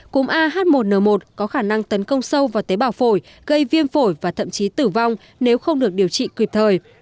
cúm ah một n một có khả năng tấn công sâu vào tế bào phổi gây viêm phổi và thậm chí tử vong nếu không được điều trị kịp thời